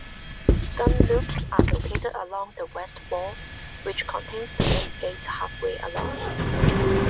Gunloops are located along the west wall, which contains the main gate halfway along.